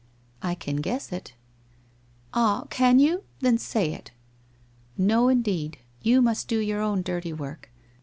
I I can guess it.' 1 Ah, can you ? Then say it.' ' Xo, indeed. You must do your own dirty work.